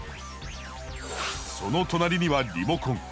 その隣にはリモコン。